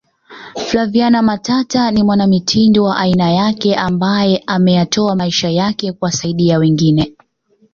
Flaviana Matata ni mwanamitindo wa aina yake ambae ameyatoa maisha yake kuwasaidia wengine